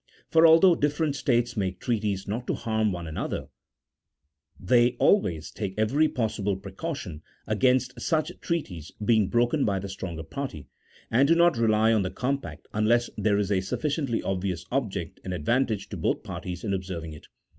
For although different states make treaties not to harm one another, they always take every possible precaution against such treaties being broken by the stronger party, and do not rely on the compact, unless there is a sufficiently obvious object and advantage to both parties in observing it.